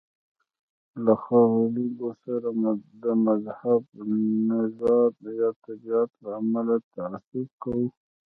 له خلکو سره د مذهب، نژاد یا تابعیت له امله تعصب کوو.